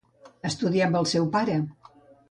Estudià amb el seu pare.